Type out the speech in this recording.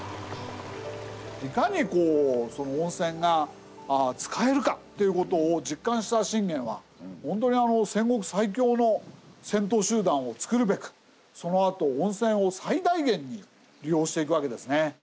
いかにこう温泉が使えるかっていうことを実感した信玄は本当に戦国最強の戦闘集団を作るべくそのあと温泉を最大限に利用していくわけですね。